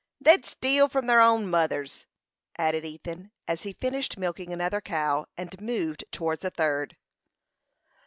"They'd steal from their own mothers," added Ethan, as he finished milking another cow, and moved towards a third.